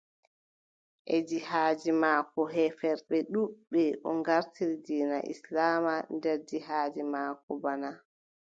E jihaadi maako, heeferɓe ɗuuɗɓe o ngartiri diina islaama nder jihaadi maako bana.